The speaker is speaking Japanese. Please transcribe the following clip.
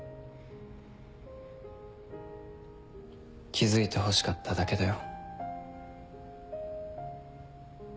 気付いてほしかっただけだよ。